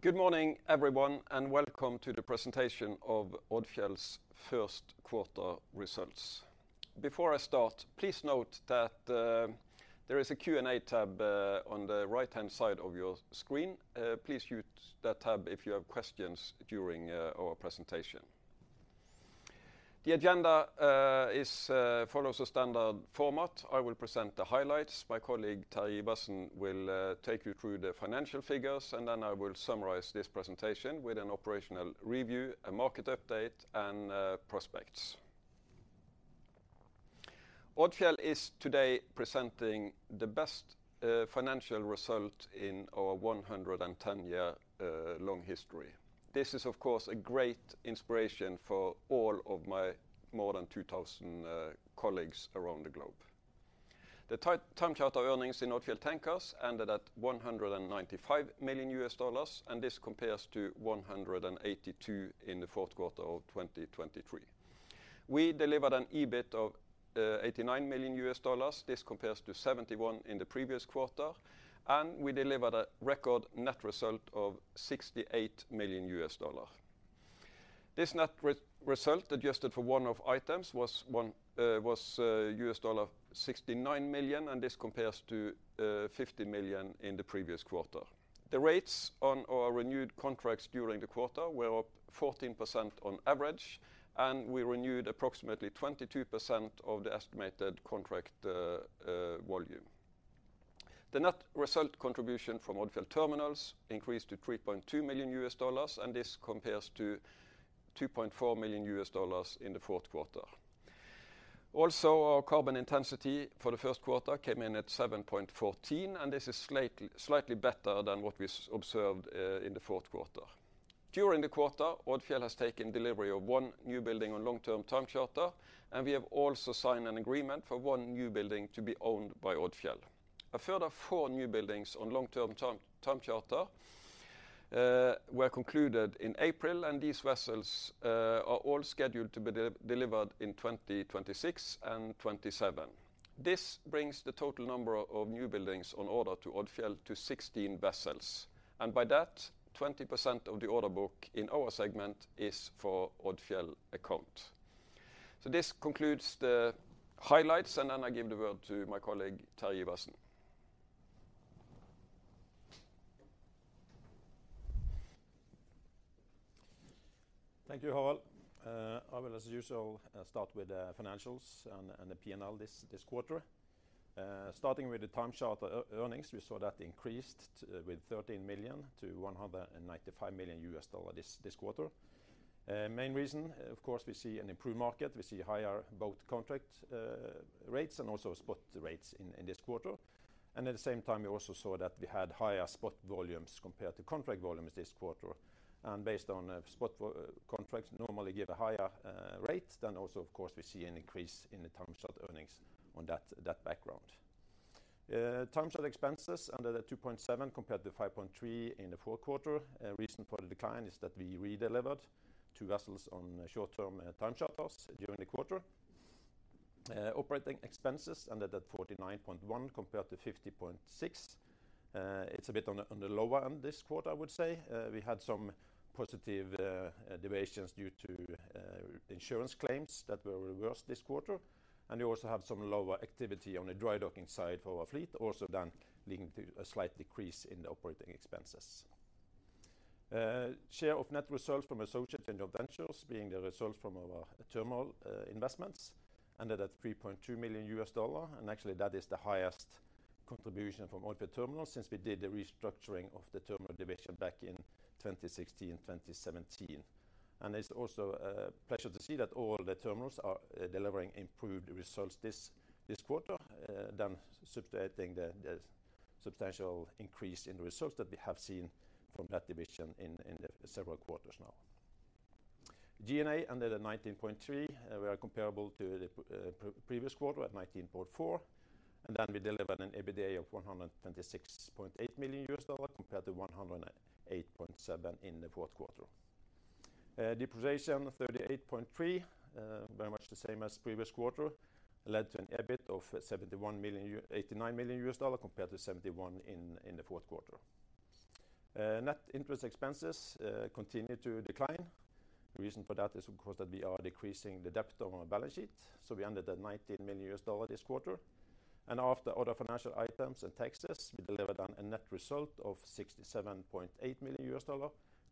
Good morning, everyone, and welcome to the presentation of Odfjell's Q1 results. Before I start, please note that there is a Q&A tab on the right-hand side of your screen. Please use that tab if you have questions during our presentation. The agenda is as follows a standard format. I will present the highlights. My colleague Terje Iversen will take you through the financial figures, and then I will summarize this presentation with an operational review, a market update, and prospects. Odfjell is today presenting the best financial result in our 110-year-long history. This is, of course, a great inspiration for all of my more than 2,000 colleagues around the globe. The time charter earnings in Odfjell Tankers ended at $195 million, and this compares to $182 million in the Q4 of 2023. We delivered an EBIT of $89 million. This compares to 71 in the previous quarter. We delivered a record net result of $68 million. This net result adjusted for one-off items was $69 million, and this compares to $50 million in the previous quarter. The rates on our renewed contracts during the quarter were up 14% on average, and we renewed approximately 22% of the estimated contract volume. The net result contribution from Odfjell Terminals increased to $3.2 million, and this compares to $2.4 million in the Q4. Also, our carbon intensity for the Q1 came in at 7.14, and this is slightly better than what we observed in the Q4. During the quarter, Odfjell has taken delivery of 1 newbuilding on long-term time charter, and we have also signed an agreement for 1 newbuilding to be owned by Odfjell. A further 4 new buildings on long-term time charter were concluded in April, and these vessels are all scheduled to be delivered in 2026 and 2027. This brings the total number of new buildings on order to Odfjell to 16 vessels. And by that, 20% of the order book in our segment is for Odfjell account. So this concludes the highlights, and then I give the word to my colleague Terje Iversen. Thank you, Harald. I will, as usual, start with financials and the P&L this quarter. Starting with the time charter earnings, we saw that increased by $13 million to $195 million this quarter. Main reason, of course, we see an improved market. We see higher vessel contract rates and also spot rates in this quarter. And at the same time, we also saw that we had higher spot volumes compared to contract volumes this quarter. And based on spot volumes versus contracts normally give a higher rate, then also, of course, we see an increase in the time charter earnings on that background. Time charter expenses ended at $2.7 million compared to $5.3 million in the Q4. Reason for the decline is that we redelivered two vessels on short-term time charters during the quarter. Operating expenses ended at $49.1 million compared to $50.6 million. It's a bit on the lower end this quarter, I would say. We had some positive deviations due to insurance claims that were reversed this quarter. We also have some lower activity on the dry docking side for our fleet, also then leading to a slight decrease in the operating expenses. Share of net results from associates and joint ventures, being the results from our terminal investments, ended at $3.2 million. And actually, that is the highest contribution from Odfjell Terminals since we did the restructuring of the terminal division back in 2016, 2017. And it's also a pleasure to see that all the terminals are delivering improved results this quarter, then substituting the substantial increase in the results that we have seen from that division in the several quarters now. G&A ended at $19.3 million. We are comparable to the previous quarter at $19.4 million. Then we delivered an EBITDA of $126.8 million compared to $108.7 million in the Q4. Depreciation $38.3 million, very much the same as previous quarter, led to an EBIT of $89 million compared to $71 million in the Q4. Net interest expenses continue to decline. Reason for that is, of course, that we are decreasing the debt of our balance sheet. So we ended at $19 million this quarter. And after other financial items and taxes, we delivered then a net result of $67.8 million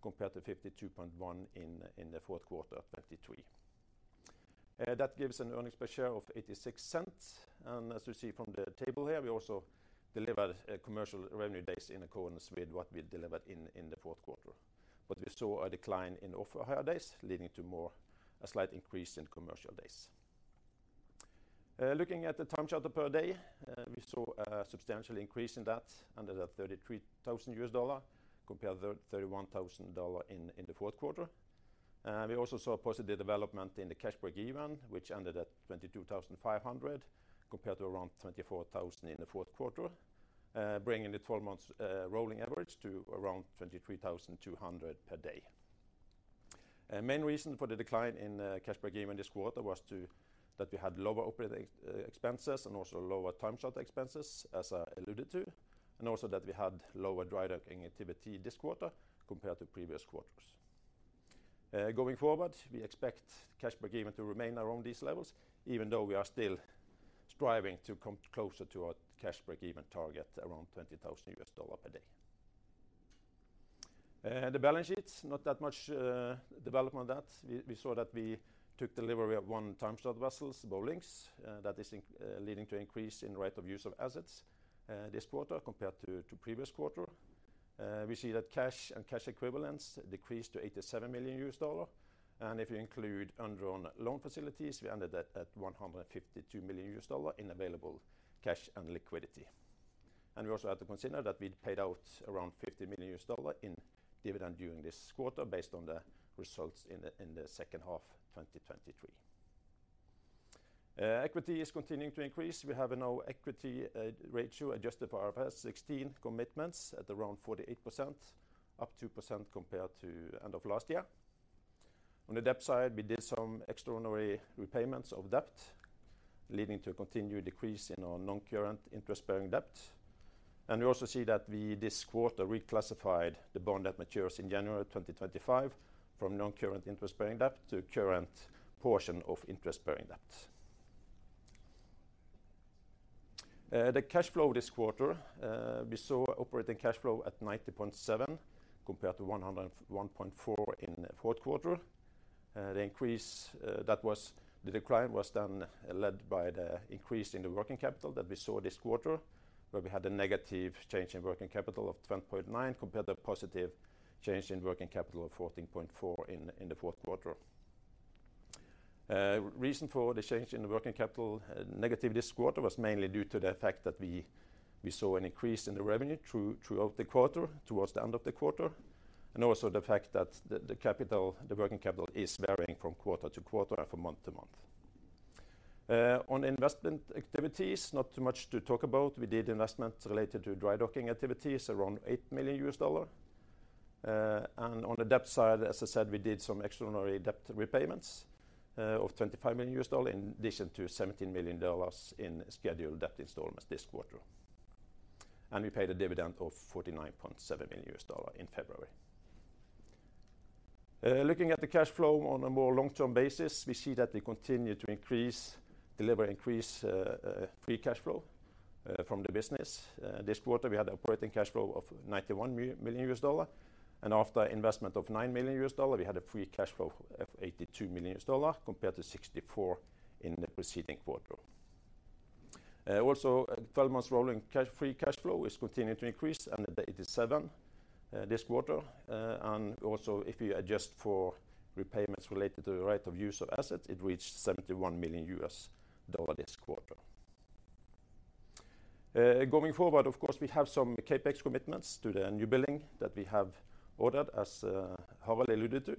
compared to $52.1 million in the Q4 of 2023. That gives an earnings per share of $0.86. And as you see from the table here, we also delivered commercial revenue days in accordance with what we delivered in the Q4. But we saw a decline in off-hire days, leading to a slight increase in commercial days. Looking at the time charter per day, we saw a substantial increase in that, ended at $33,000 compared to $31,000 in the Q4. We also saw positive development in the cash breakeven, which ended at $22,500 compared to around $24,000 in the Q4, bringing the 12-month rolling average to around $23,200 per day. Main reason for the decline in cash breakeven this quarter was that we had lower operating expenses and also lower time charter expenses, as I alluded to, and also that we had lower dry docking activity this quarter compared to previous quarters. Going forward, we expect cash breakeven to remain around these levels, even though we are still striving to come closer to our cash breakeven target around $20,000 per day. The balance sheet, not that much development on that. We saw that we took delivery of one time charter vessels, Boeings. That is leading to an increase in right-of-use assets this quarter compared to previous quarter. We see that cash and cash equivalents decreased to $87 million. And if you include underwritten loan facilities, we ended at 152 million US dollars in available cash and liquidity. And we also had to consider that we'd paid out around $50 million in dividend during this quarter based on the results in the second half of 2023. Equity is continuing to increase. We have a net equity ratio adjusted for our IFRS 16 commitments at around 48%, up 2% compared to end of last year. On the debt side, we did some extraordinary repayments of debt, leading to a continued decrease in our non-current interest bearing debt. We also see that we this quarter reclassified the bond that matures in January of 2025 from non-current interest bearing debt to current portion of interest bearing debt. The cash flow this quarter, we saw operating cash flow at $90.7 million compared to $101.4 million in the Q4. The increase, that was the decline was then led by the increase in the working capital that we saw this quarter, where we had a negative change in working capital of $12.9 million compared to a positive change in working capital of $14.4 million in, in the Q4. Reason for the change in the working capital, negative this quarter, was mainly due to the fact that we, we saw an increase in the revenue through, throughout the quarter towards the end of the quarter, and also the fact that the, the capital the working capital is varying from quarter to quarter and from month to month. On investment activities, not too much to talk about. We did investments related to dry docking activities around $8 million. On the debt side, as I said, we did some extraordinary debt repayments of $25 million in addition to $17 million in scheduled debt installments this quarter. We paid a dividend of $49.7 million in February. Looking at the cash flow on a more long-term basis, we see that we continue to increase deliver increase, free cash flow, from the business. This quarter, we had an operating cash flow of $91 million. After investment of $9 million, we had a free cash flow of $82 million compared to $64 million in the preceding quarter. The 12-month rolling free cash flow is continuing to increase and at $87 million this quarter. If you adjust for repayments related to the right-of-use assets, it reached $71 million this quarter. Going forward, of course, we have some CapEx commitments to the new building that we have ordered, as Harald alluded to.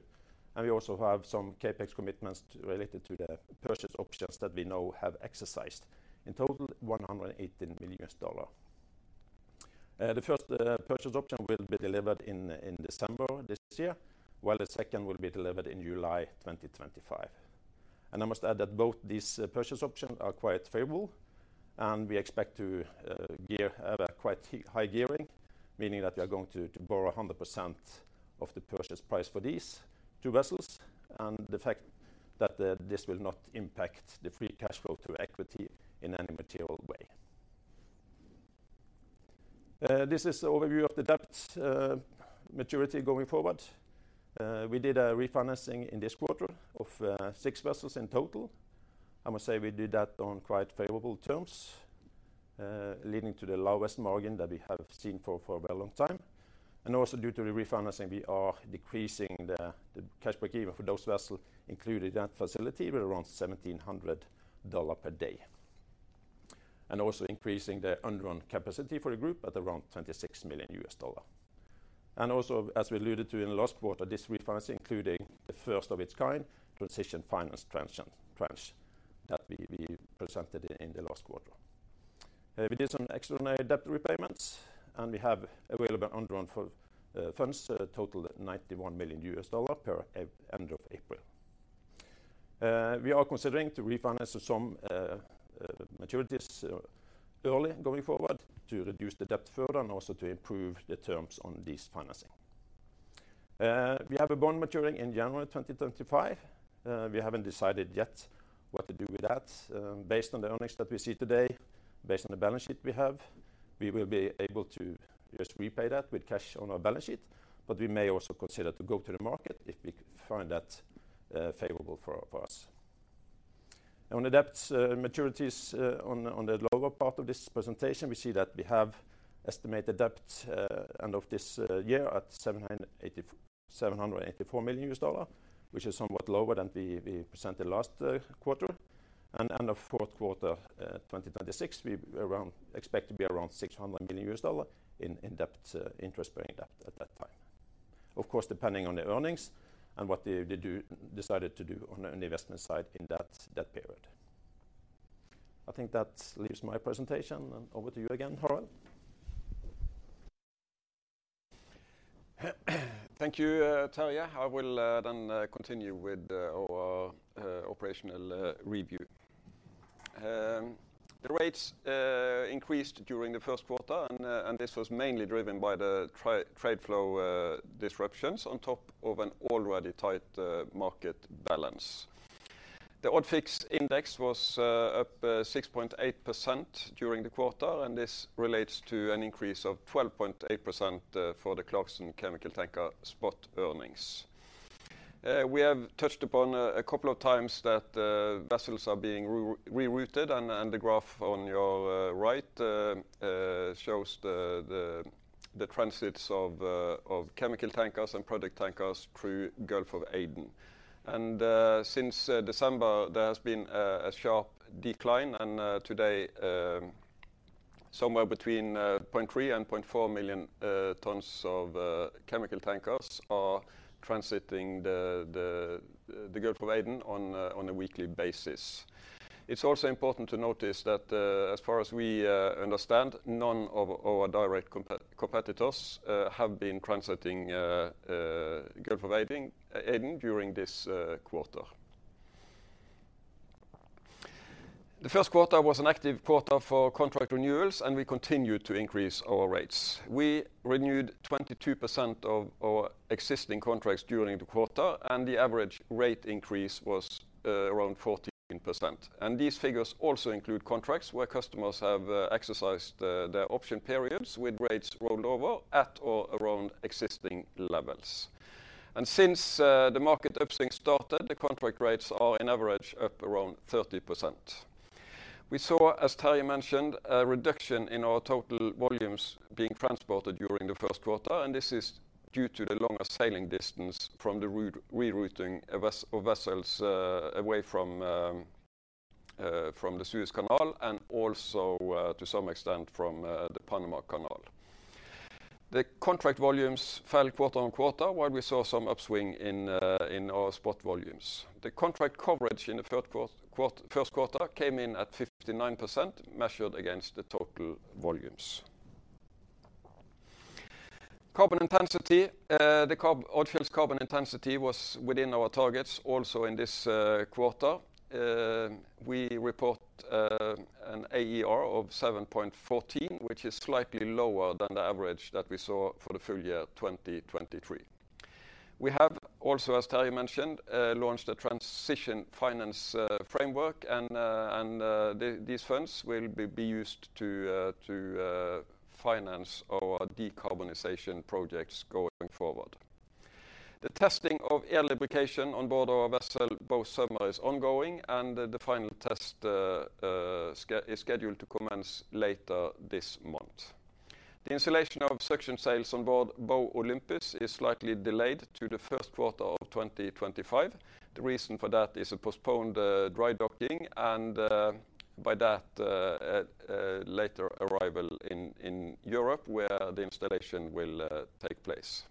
We also have some CapEx commitments related to the purchase options that we now have exercised, in total, $118 million. The first purchase option will be delivered in December this year, while the second will be delivered in July 2025. I must add that both these purchase options are quite favorable. We expect to have a quite high gearing, meaning that we are going to borrow 100% of the purchase price for these two vessels and the fact that this will not impact the free cash flow to equity in any material way. This is an overview of the debt maturity going forward. We did a refinancing in this quarter of 6 vessels in total. I must say we did that on quite favorable terms, leading to the lowest margin that we have seen for a very long time. Also due to the refinancing, we are decreasing the cash breakeven for those vessels included in that facility with around $1,700 per day and also increasing the underwritten capacity for the group at around $26 million. And also, as we alluded to in the last quarter, this refinancing, including the first of its kind, transition finance tranche that we presented in the last quarter. We did some extraordinary debt repayments, and we have available underwritten for funds total $91 million per end of April. We are considering to refinance some maturities early going forward to reduce the debt burden and also to improve the terms on this financing. We have a bond maturing in January 2025. We haven't decided yet what to do with that. Based on the earnings that we see today, based on the balance sheet we have, we will be able to just repay that with cash on our balance sheet. But we may also consider to go to the market if we find that favorable for us. On the debts, maturities, on the lower part of this presentation, we see that we have estimated debt end of this year at $784 million, which is somewhat lower than we presented last quarter. End of Q4 2026, we expect to be around $600 million in debt, interest-bearing debt at that time, of course, depending on the earnings and what they decided to do on the investment side in that period. I think that leaves my presentation. Over to you again, Harald. Thank you, Terje. I will, then, continue with our operational review. The rates increased during the Q1, and this was mainly driven by the trade flow disruptions on top of an already tight market balance. The ODFIX Index was up 6.8% during the quarter, and this relates to an increase of 12.8% for the Clarksons Chemical Tanker spot earnings. We have touched upon a couple of times that vessels are being rerouted, and the graph on your right shows the transits of chemical tankers and product tankers through Gulf of Aden. And since December, there has been a sharp decline. Today, somewhere between 0.3-0.4 million tons of chemical tankers are transiting the Gulf of Aden on a weekly basis. It's also important to notice that, as far as we understand, none of our direct competitors have been transiting Gulf of Aden during this quarter. The Q1 was an active quarter for contract renewals, and we continued to increase our rates. We renewed 22% of our existing contracts during the quarter, and the average rate increase was around 14%. These figures also include contracts where customers have exercised their option periods with rates rolled over at or around existing levels. Since the market upswing started, the contract rates are on average up around 30%. We saw, as Terje mentioned, a reduction in our total volumes being transported during the Q1. This is due to the longer sailing distance from the rerouting of vessels away from the Suez Canal and also, to some extent from the Panama Canal. The contract volumes fell quarter-on-quarter, while we saw some upswing in our spot volumes. The contract coverage in the Q1 came in at 59% measured against the total volumes. Carbon intensity, Odfjell's carbon intensity was within our targets also in this quarter. We report an AER of 7.14, which is slightly lower than the average that we saw for the full year 2023. We have also, as Terje mentioned, launched a Transition Finance Framework. And these funds will be used to finance our decarbonization projects going forward. The testing of air lubrication on board our vessel Bow Sagami is ongoing, and the final test is scheduled to commence later this month. The installation of suction sails on board Bow Olympus is slightly delayed to the Q1 of 2025. The reason for that is a postponed dry docking and, by that, later arrival in Europe where the installation will take place.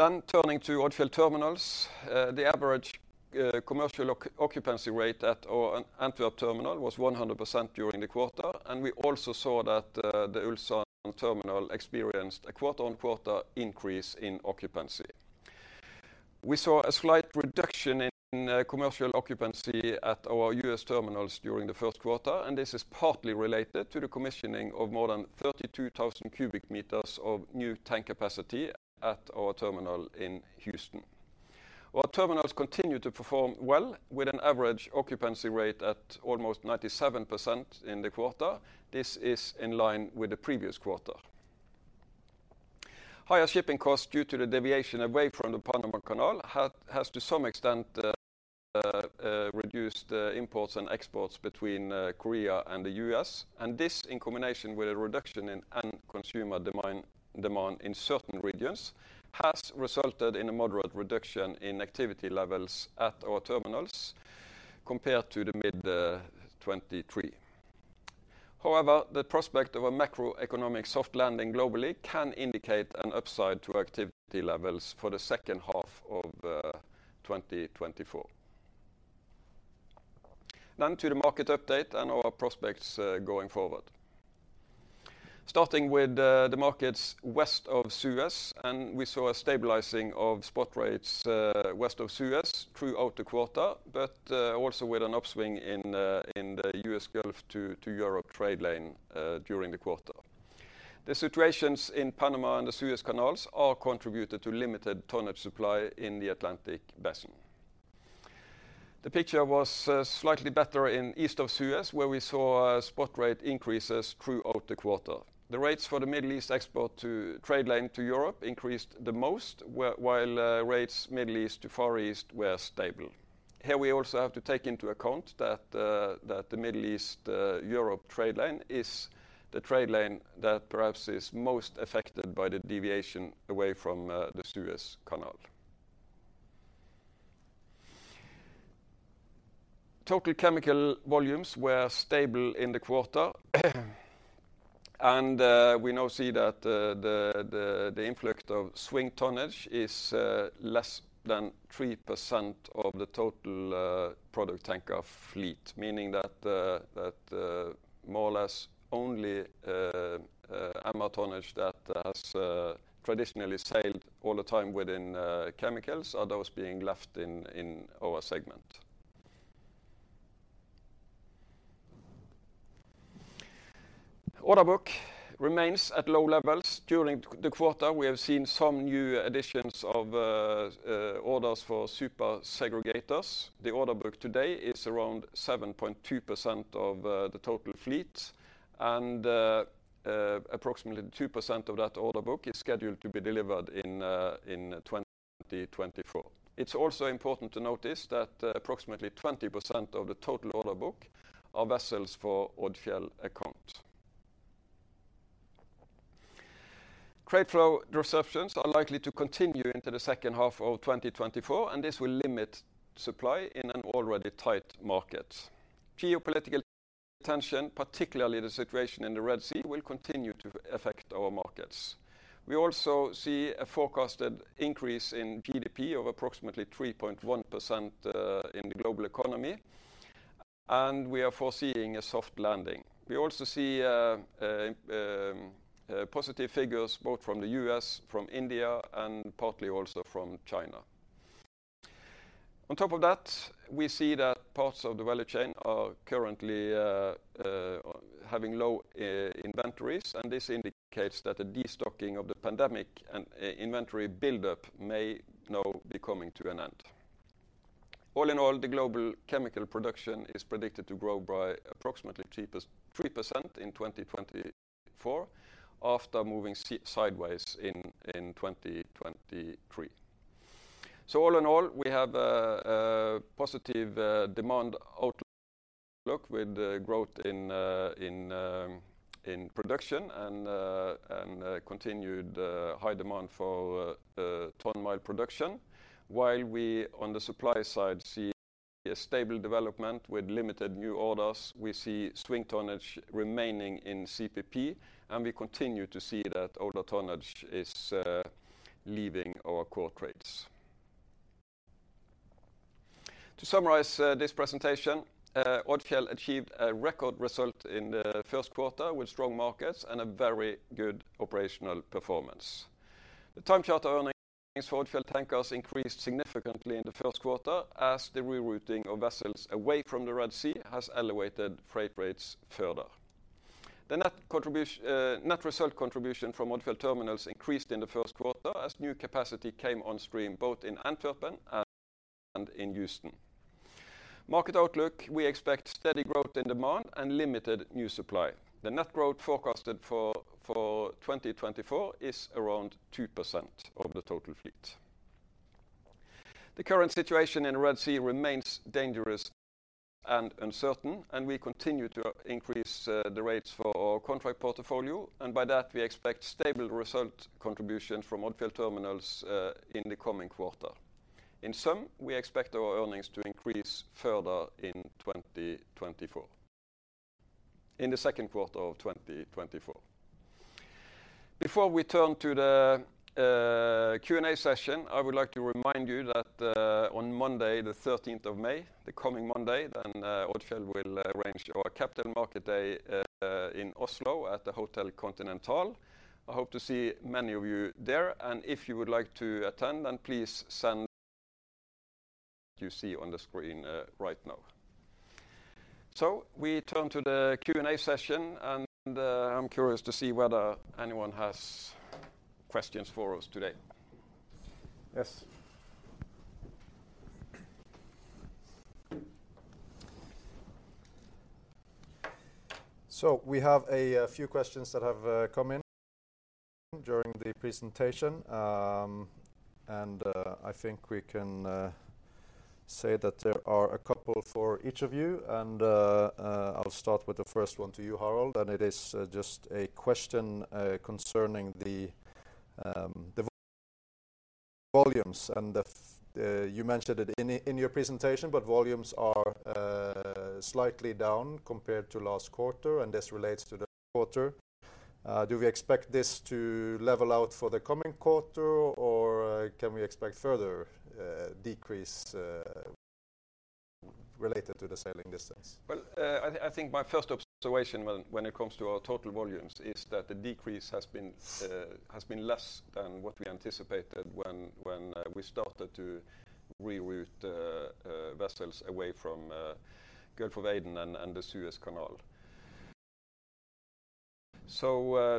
Then turning to Odfjell Terminals, the average commercial occupancy rate at our Antwerp terminal was 100% during the quarter. And we also saw that the Ulsan terminal experienced a quarter-on-quarter increase in occupancy. We saw a slight reduction in commercial occupancy at our U.S. terminals during the Q1. And this is partly related to the commissioning of more than 32,000 cubic meters of new tank capacity at our terminal in Houston. Our terminals continue to perform well with an average occupancy rate at almost 97% in the quarter. This is in line with the previous quarter. Higher shipping costs due to the deviation away from the Panama Canal has to some extent reduced imports and exports between Korea and the U.S. This, in combination with a reduction in end-consumer demand in certain regions, has resulted in a moderate reduction in activity levels at our terminals compared to mid-2023. However, the prospect of a macroeconomic soft landing globally can indicate an upside to activity levels for the second half of 2024. To the market update and our prospects going forward. Starting with the markets west of Suez. We saw a stabilizing of spot rates west of Suez throughout the quarter but also with an upswing in the U.S. Gulf to Europe trade lane during the quarter. The situations in the Panama Canal and the Suez Canal are contributed to limited tonnage supply in the Atlantic Basin. The picture was slightly better east of Suez, where we saw spot rate increases throughout the quarter. The rates for the Middle East export to trade lane to Europe increased the most, while rates Middle East to Far East were stable. Here we also have to take into account that the Middle East, Europe trade lane is the trade lane that perhaps is most affected by the deviation away from the Suez Canal. Total chemical volumes were stable in the quarter. We now see that the influx of swing tonnage is less than 3% of the total product tanker fleet, meaning that more or less only IMO tonnage that has traditionally sailed all the time within chemicals are those being left in our segment. Order book remains at low levels. During the quarter, we have seen some new additions of orders for Super Segregators. The order book today is around 7.2% of the total fleet. Approximately 2% of that order book is scheduled to be delivered in 2024. It's also important to notice that approximately 20% of the total order book are vessels for Odfjell account. Trade flow disruptions are likely to continue into the second half of 2024, and this will limit supply in an already tight market. Geopolitical tension, particularly the situation in the Red Sea, will continue to affect our markets. We also see a forecasted increase in GDP of approximately 3.1% in the global economy. We are foreseeing a soft landing. We also see positive figures both from the U.S., from India, and partly also from China. On top of that, we see that parts of the value chain are currently having low inventories. This indicates that the destocking of the pandemic and inventory buildup may now be coming to an end. All in all, the global chemical production is predicted to grow by approximately 3% in 2024 after moving sideways in 2023. So all in all, we have a positive demand outlook with growth in production and continued high demand for ton-mile production. While we on the supply side see a stable development with limited new orders, we see swing tonnage remaining in CPP. And we continue to see that older tonnage is leaving our core trades. To summarize this presentation, Odfjell achieved a record result in the Q1 with strong markets and a very good operational performance. The time charter earnings for Odfjell Tankers increased significantly in the Q1 as the rerouting of vessels away from the Red Sea has elevated freight rates further. The net contribution net result contribution from Odfjell Terminals increased in the Q1 as new capacity came on stream both in Antwerp and in Houston. Market outlook: we expect steady growth in demand and limited new supply. The net growth forecasted for 2024 is around 2% of the total fleet. The current situation in the Red Sea remains dangerous and uncertain. And we continue to increase the rates for our contract portfolio. And by that, we expect stable result contributions from Odfjell Terminals in the coming quarter. In sum, we expect our earnings to increase further in 2024 in the Q2 of 2024. Before we turn to the Q&A session, I would like to remind you that on Monday, the 13th of May, the coming Monday, then Odfjell will arrange our Capital Market Day in Oslo at the Hotel Continental. I hope to see many of you there. If you would like to attend, then please send what you see on the screen, right now. We turn to the Q&A session. I'm curious to see whether anyone has questions for us today. Yes. We have a few questions that have come in during the presentation. And I think we can say that there are a couple for each of you. I'll start with the first one to you, Harald. It is just a question concerning the volumes. And the fact that you mentioned it in your presentation, but volumes are slightly down compared to last quarter. And this relates to the quarter. Do we expect this to level out for the coming quarter, or can we expect further decrease related to the sailing distance? Well, I think my first observation when it comes to our total volumes is that the decrease has been less than what we anticipated when we started to reroute vessels away from Gulf of Aden and the Suez Canal. So,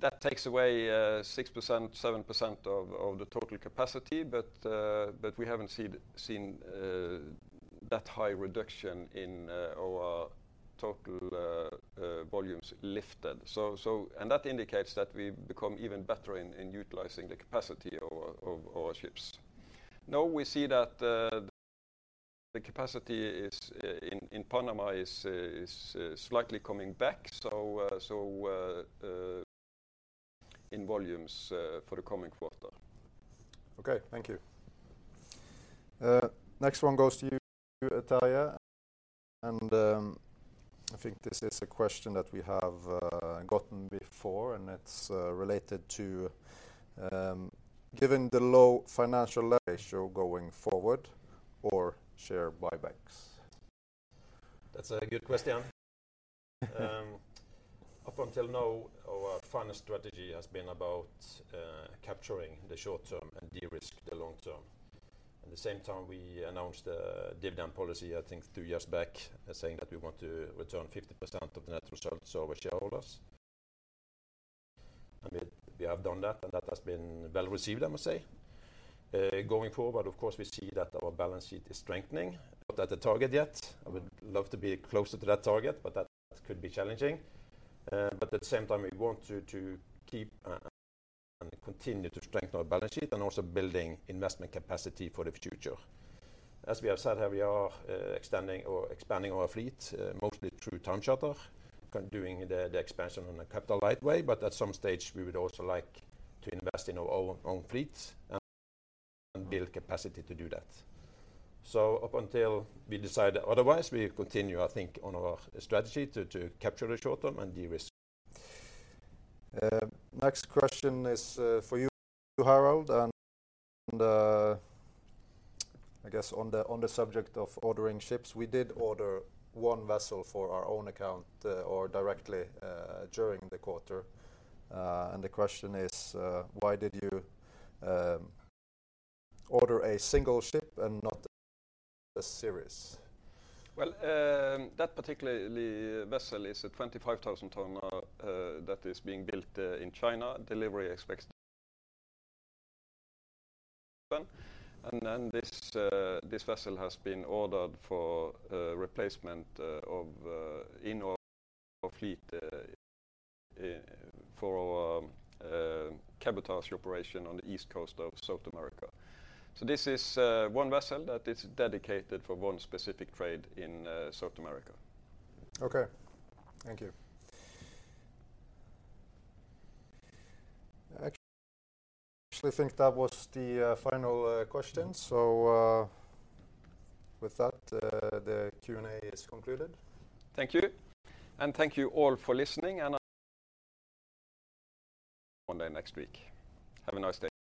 that takes away 6%-7% of the total capacity. But we haven't seen that high reduction in our total volumes lifted. So and that indicates that we become even better in utilizing the capacity of our ships. Now, we see that the capacity in Panama is slightly coming back. So, in volumes, for the coming quarter. Okay. Thank you. Next one goes to you, Terje. And I think this is a question that we have gotten before. And it's related to, given the low financial ratio going forward or share buybacks? That's a good question. Up until now, our finance strategy has been about capturing the short term and de-risk the long term. At the same time, we announced a dividend policy, I think, two years back, saying that we want to return 50% of the net results to our shareholders. And we, we have done that. And that has been well received, I must say. Going forward, of course, we see that our balance sheet is strengthening. Not at the target yet. I would love to be closer to that target, but that, that could be challenging. But at the same time, we want to, to keep and, and continue to strengthen our balance sheet and also building investment capacity for the future. As we have said, here we are, extending or expanding our fleet, mostly through time charter, doing the, the expansion on a capital light way. But at some stage, we would also like to invest in our own fleet and build capacity to do that. So up until we decide otherwise, we continue, I think, on our strategy to capture the short term and de-risk. Next question is for you, Harald. I guess on the subject of ordering ships, we did order one vessel for our own account, or directly, during the quarter. The question is, why did you order a single ship and not a series? Well, that particular vessel is a 25,000-tonner that is being built in China. Delivery is expected to be in Japan. And then this vessel has been ordered for replacement in our fleet for our cabotage operation on the east coast of South America. So this is one vessel that is dedicated for one specific trade in South America. Okay. Thank you. I actually think that was the final question. So, with that, the Q&A is concluded. Thank you. Thank you all for listening. I'll see you on Monday next week. Have a nice day.